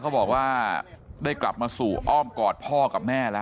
เขาบอกว่าได้กลับมาสู่อ้อมกอดพ่อกับแม่แล้ว